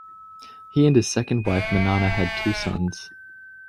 He and his second wife Manana had two sons.